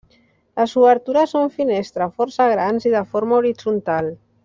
Les obertures són finestres força grans i de forma horitzontal.